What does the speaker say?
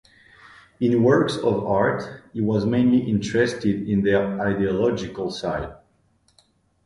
In works of art he was mainly interested in their ideological side.